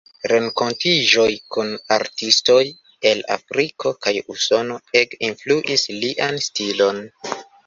Renkontiĝoj kun artistoj el Afriko kaj Usono ege influis lian stilon.